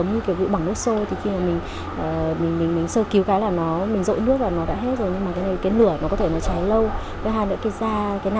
nên là tôi cũng mong các bác sĩ ở đây với cả tất cả mọi người giúp đỡ các con